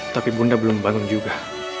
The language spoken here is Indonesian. tapi bunda belum bangun juga